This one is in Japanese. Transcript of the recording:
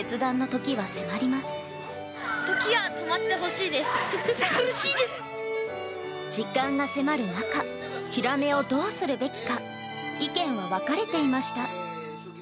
時間が迫る中、ヒラメをどうするべきか、意見が分かれていました。